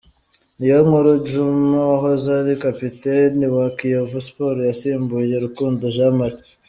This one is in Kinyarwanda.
Niyonkuru Djuma wahoze ari kapiteni wa Kiyovu Sports yasimbuye Rukundo Jean Marie.